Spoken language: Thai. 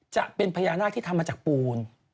จะเป็นพญานาคที่ทำมาจากปูน